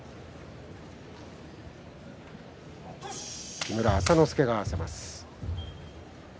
木村朝之助が合わせます。